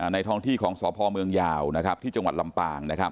ท้องที่ของสพเมืองยาวที่จังหวัดลำปาง